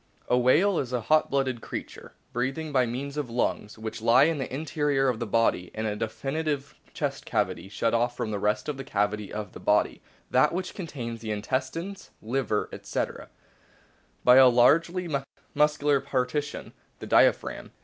A whale is a hot blooded creature, breathing by means of lungs, which lie in the interior of the body in a definite chest cavity, shut off from the rest of the cavity of the body (that which contains the intestines, liver, etc.) by a largely muscular partition the diaphragm.